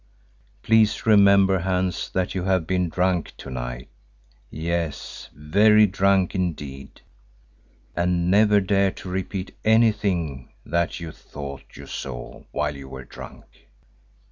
Please remember, Hans, that you have been drunk to night, yes, very drunk indeed, and never dare to repeat anything that you thought you saw while you were drunk."